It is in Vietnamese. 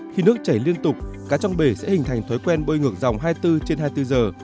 khi nước chảy liên tục cá trong bể sẽ hình thành thói quen bơi ngược dòng hai mươi bốn trên hai mươi bốn giờ